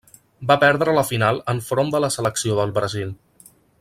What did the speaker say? Va perdre la final enfront de la selecció del Brasil.